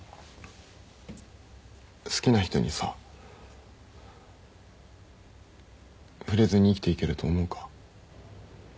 好きな人にさ触れずに生きていけると思うか？